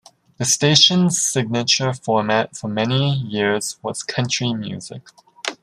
The station's signature format for many years was country music.